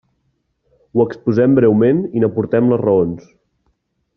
Ho exposem breument i n'aportem les raons.